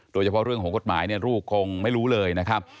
โดยเฉพาะเรื่องของกฎหมายเนี่ยลูกคงไม่รู้เลยนะครับ